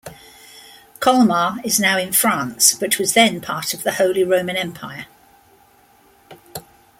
Colmar is now in France but was then part of the Holy Roman Empire.